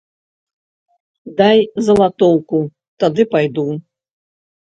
Дай залатоўку, тады пайду.